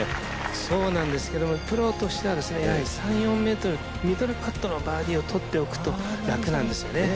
そうなんですけどプロとしては３ｍ、ミドルパットのバーディーを取っておくと、楽なんですよね。